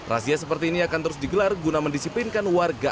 razia seperti ini akan terus digelar guna mendisiplinkan warga